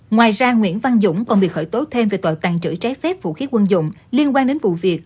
ngoài ra nguyễn văn dũng còn bị khởi tố thêm về tội tàn trữ trái phép vũ khí quân dụng liên quan đến vụ việc